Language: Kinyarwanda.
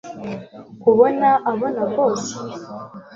kubona abona boss